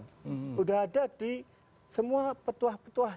sudah ada di semua petuah petuah